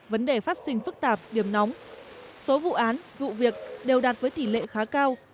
vấn đề phát sinh phức tạp điểm nóng số vụ án vụ việc đều đạt với tỷ lệ khá cao